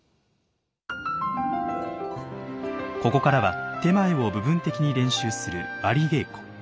ここからは点前を部分的に練習する「割り稽古」。